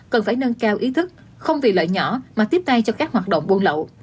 cần phải nâng cao ý thức không vì lợi nhỏ mà tiếp tay cho các hoạt động buôn lậu